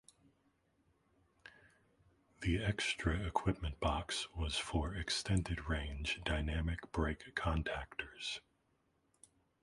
The extra equipment box was for extended range dynamic brake contactors.